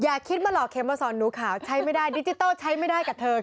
อย่าคิดมาหรอกเข็มมาสอนหนูขาวใช้ไม่ได้ดิจิทัลใช้ไม่ได้กับเธอ